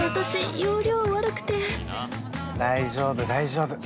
大丈夫、大丈夫。